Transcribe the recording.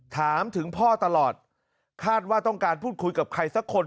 ถามถึงพ่อตลอดคาดว่าต้องการพูดคุยกับใครสักคน